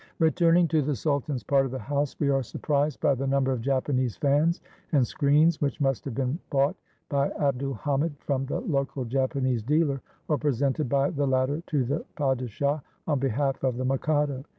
Returning to the sultan's part of the house, we are surprised by the number of Japanese fans and screens which must have been bought by Abd ul Hamid from the local Japanese dealer or presented by the latter to the padishah on behalf of the mikado.